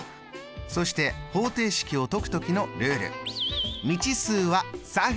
そして方程式を解く時のルール。